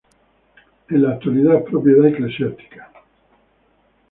En la actualidad es propiedad eclesiástica.